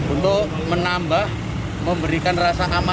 untuk menambah memberikan rasa aman